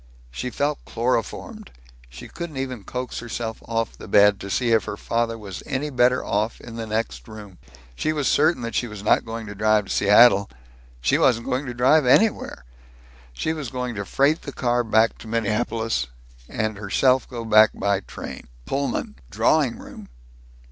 She felt chloroformed. She couldn't even coax herself off the bed, to see if her father was any better off in the next room. She was certain that she was not going to drive to Seattle. She wasn't going to drive anywhere! She was going to freight the car back to Minneapolis, and herself go back by train Pullman! drawing room!